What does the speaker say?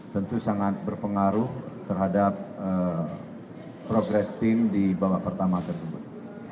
tentu sangat berpengaruh terhadap progres tim di babak pertama tersebut